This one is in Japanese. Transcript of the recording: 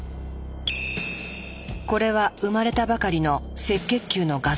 これは生まれたばかりの赤血球の画像。